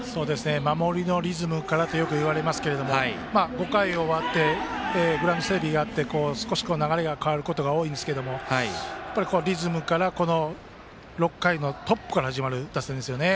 守りのリズムからとよく言われますけど５回が終わってグラウンド整備があって流れが変わることが多いんですがリズムから、この６回のトップから始まる打線ですよね。